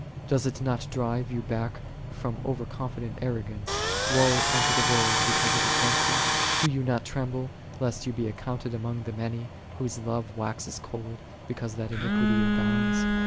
7 Doth it not drive thee back from over confi dent arrogance, " Woe unto the world because of offenses ?"* Dost thou not tremble, lest thou be accounted among the many, whose " love waxeth cold, because that iniquity abounds